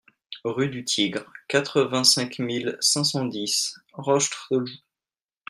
Rue du Tigre, quatre-vingt-cinq mille cinq cent dix Rochetrejoux